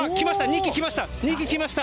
２機来ました！